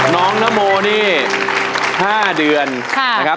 นโมนี่๕เดือนนะครับ